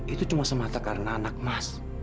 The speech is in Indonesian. itu cuma semata karena anak emas